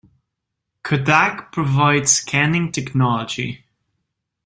Kodak provides scanning technology.